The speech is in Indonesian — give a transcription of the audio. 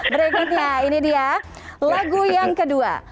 berikutnya ini dia lagu yang kedua